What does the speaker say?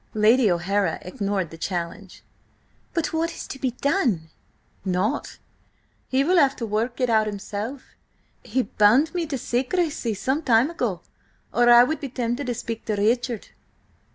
Lady O'Hara ignored the challenge. "But what is to be done?" "Nought. He will have to work it out himself. He bound me to secrecy some time ago, or I would be tempted to speak to Richard."